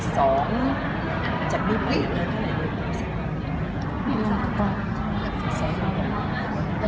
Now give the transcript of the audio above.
สองจากรูปให้อีกแล้วเท่าไหร่เรียนต้องสะเทียน